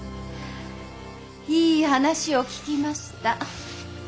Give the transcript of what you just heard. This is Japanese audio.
いい話を聞きました。